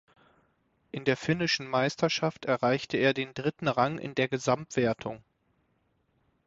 In der finnischen Meisterschaft erreichte er den dritten Rang in der Gesamtwertung.